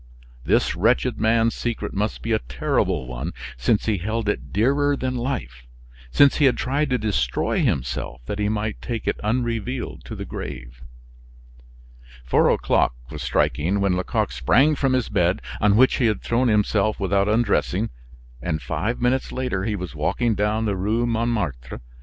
This wretched man's secret must be a terrible one since he held it dearer than life, since he had tried to destroy himself that he might take it unrevealed to the grave. Four o'clock was striking when Lecoq sprang from his bed on which he had thrown himself without undressing; and five minutes later he was walking down the Rue Montmartre.